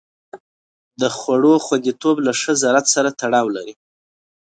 د خوړو خوندیتوب له ښه زراعت سره تړاو لري.